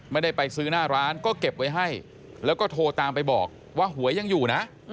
ไม่ได้ไปซื้อหน้าร้านก็เก็บไว้ให้แล้วก็โทรตามไปบอกว่าหวยยังอยู่นะ